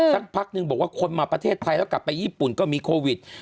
สักพักนึงบอกว่าคนมาประเทศไทยแล้วกลับไปญี่ปุ่นก็มีโควิด